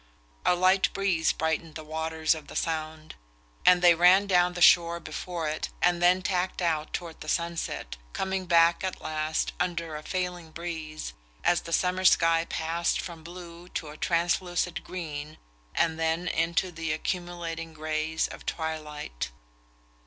A light breeze brightened the waters of the Sound, and they ran down the shore before it and then tacked out toward the sunset, coming back at last, under a failing breeze, as the summer sky passed from blue to a translucid green and then into the accumulating greys of twilight.